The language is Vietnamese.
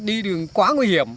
đi đường quá nguy hiểm